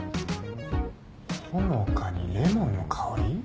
ほのかにレモンの香り？